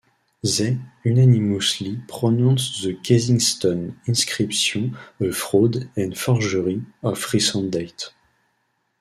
They "unanimously pronounced the Kensington inscription a fraud and forgery of recent date".